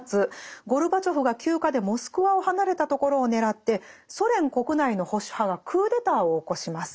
ゴルバチョフが休暇でモスクワを離れたところを狙ってソ連国内の保守派がクーデターを起こします。